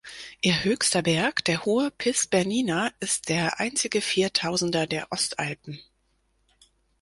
Ihr höchster Berg, der hohe Piz Bernina, ist der einzige Viertausender der Ostalpen.